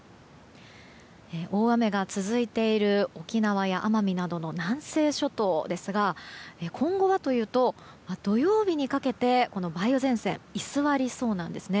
大雨が続いている沖縄や奄美などの南西諸島ですが今後はというと土曜日にかけてこの梅雨前線居座りそうなんですね。